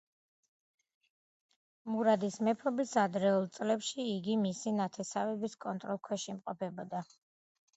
მურადის მეფობის ადრეულ წლებში, იგი მისი ნათესავების კონტროლქვეშ იმყოფებოდა.